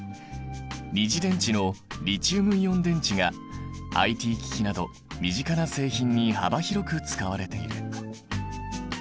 二次電池のリチウムイオン電池がＩＴ機器など身近な製品に幅広く使われている。